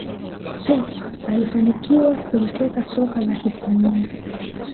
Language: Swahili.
pep alifanikia kuliteka soka la hispania